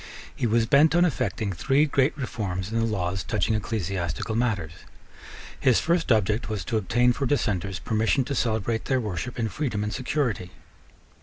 He was bent on effecting three great reforms in the laws touching ecclesiastical matters. His first object was to obtain for dissenters permission to celebrate their worship in freedom and security.